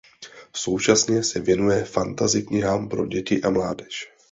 Současně se věnuje fantasy knihám pro děti a mládež.